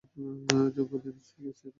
জঙ্গলে গেছে নিশ্চয়ই।